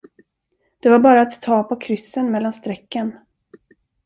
Det var bara att ta på kryssen mellan strecken.